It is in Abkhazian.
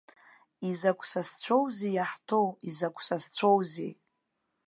Изакә сасцәоузеи иаҳҭоу, изакә сасцәоузеи!